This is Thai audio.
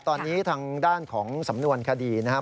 ตอนนี้ทางด้านของสำนวนคดีนะครับ